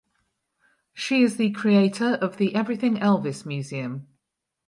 She is the creator of the Everything Elvis Museum.